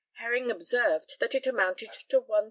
Herring observed that it amounted to £1,020.